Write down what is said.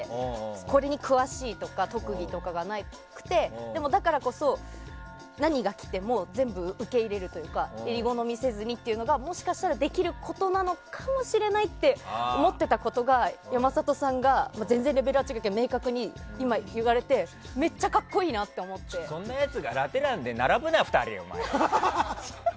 これに詳しいとか特技とかがなくてでも、だからこそ何が来ても全部、受け入れるというか選り好みせずにというのがもしかしたらできることなのかもしれないって思っていたことが山里さん、全然レベル違うけど明確に今、言われてそんなやつがラテ欄で並ぶな、２人。